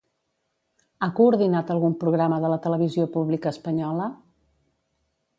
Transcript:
Ha coordinat algun programa de la televisió pública espanyola?